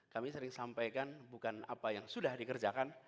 kami sering sampaikan bukan apa yang sudah dikerjakan